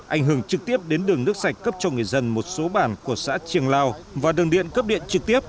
ảnh hưởng trực tiếp đến đường nước sạch cấp cho người dân một số bản của xã triềng lao và đường điện cấp điện trực tiếp